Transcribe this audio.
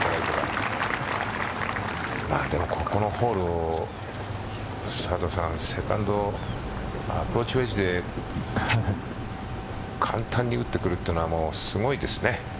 でも、ここのホールをセカンド、アプローチウェッジで簡単に打ってくるというのはすごいですね。